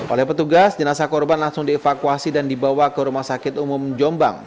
oleh petugas jenazah korban langsung dievakuasi dan dibawa ke rumah sakit umum jombang